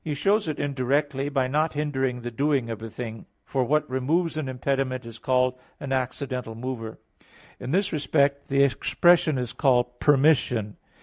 He shows it indirectly, by not hindering the doing of a thing; for what removes an impediment is called an accidental mover. In this respect the expression is called permission.